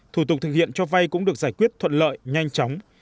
thủ tục thực hiện cho vay cũng được giải quyết thuận lợi nhanh chóng